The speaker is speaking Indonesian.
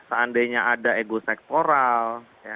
seandainya ada ego sektoral